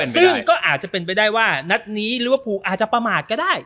ซึ่งก็อาจจะเป็นไปได้ว่านัดนี้ลิเวอร์พูลอาจจะประมาทก็ได้